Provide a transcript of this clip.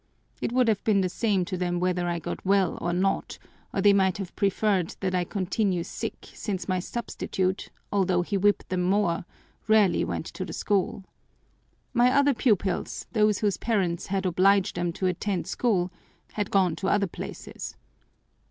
It would have been the same to them whether I got well or not, or they might have preferred that I continue sick since my substitute, although he whipped them more, rarely went to the school. My other pupils, those whose parents had obliged them to attend school, had gone to other places.